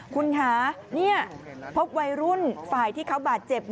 คุณคะพบวัยรุ่นฝ่ายที่เขาบาดเจ็บ